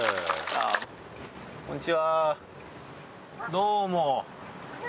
どうも。